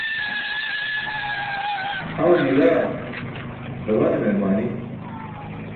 aman bila, damane meerbaani